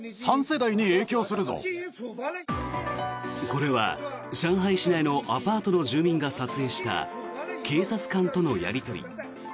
これは上海市内のアパートの住民が撮影した警察官とのやり取り。